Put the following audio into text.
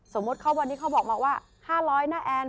สมมุติเขาวันนี้เขาบอกมาว่า๕๐๐นะแอน